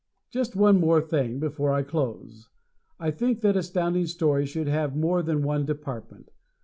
Just one more thing before I close. I think that Astounding Stories should have more than one department.